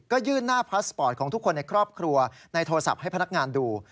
ก็ยื่นหน้าพาสปอร์ตของทุกคนในครอบครัวในโทรศัพท์ให้พนักงานดู